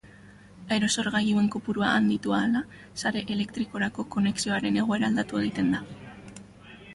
Aerosorgailuen kopurua handitu ahala, sare elektrikorako konexioaren egoera aldatu egiten da.